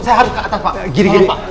saya harus ke atas pak